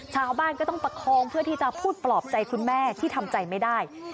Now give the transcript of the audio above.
ชาวบ้านก็ต้องประคองเพื่อที่จะพูดปลอบใจคุณแม่ที่ทำใจไม่ได้